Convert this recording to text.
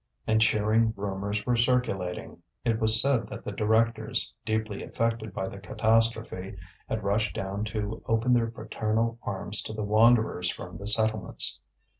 And cheering rumours were circulating; it was said that the directors, deeply affected by the catastrophe, had rushed down to open their paternal arms to the wanderers from the settlements.